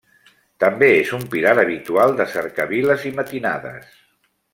També és un pilar habitual de cercaviles i matinades.